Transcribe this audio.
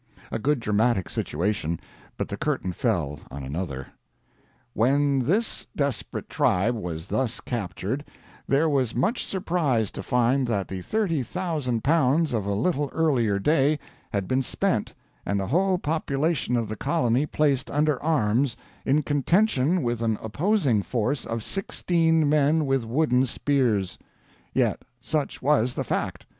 A good dramatic situation; but the curtain fell on another: "When this desperate tribe was thus captured, there was much surprise to find that the L30,000 of a little earlier day had been spent, and the whole population of the colony placed under arms, in contention with an opposing force of sixteen men with wooden spears! Yet such was the fact.